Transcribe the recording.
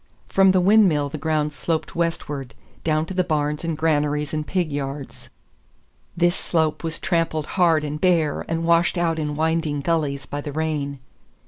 From the windmill the ground sloped westward, down to the barns and granaries and pig yards. This slope was trampled hard and bare, and washed out in winding gullies by the rain.